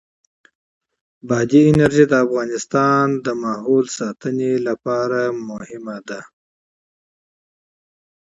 بادي انرژي د افغانستان د چاپیریال ساتنې لپاره مهم دي.